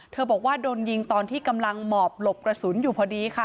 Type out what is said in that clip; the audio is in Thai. บอกว่าโดนยิงตอนที่กำลังหมอบหลบกระสุนอยู่พอดีค่ะ